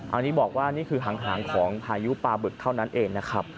อันนี้บอกว่านี่คือหางของพายุปลาบึกเท่านั้นเองนะครับ